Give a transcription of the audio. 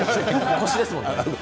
腰ですもんね？